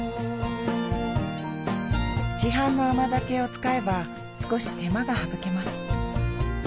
市販の甘酒を使えば少し手間が省けます